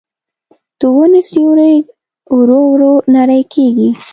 د ونو سیوري ورو ورو نری کېږي